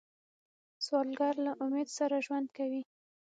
سوالګر له امید سره ژوند کوي